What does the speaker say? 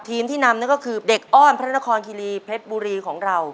ทีมที่นำนั่นก็คือเด็กอ้อนพระนครคิรีเพชรบุรีของเรา